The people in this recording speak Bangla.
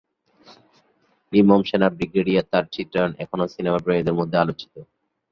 নির্মম সেনা ব্রিগেডিয়ার তার চিত্রায়ণ এখনও সিনেমা প্রেমীদের মধ্যে আলোচিত।